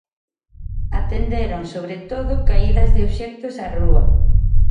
Atenderon, sobre todo, caídas de obxectos á rúa.